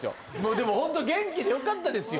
でもホント元気でよかったですよ